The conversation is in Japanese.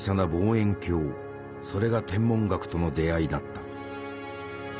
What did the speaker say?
それが天文学との出会いだった。